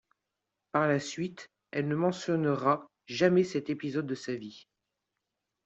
Par la suite, elle ne mentionnera jamais cet épisode de sa vie.